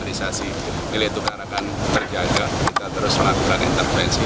nilai tukar akan terjaga kita terus melakukan intervensi